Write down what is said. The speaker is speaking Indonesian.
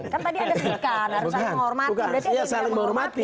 kan tadi ada sedekat harus saling menghormati